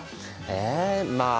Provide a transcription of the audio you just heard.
えまあ